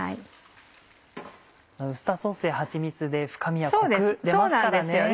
ウスターソースやはちみつで深みやコク出ますからね。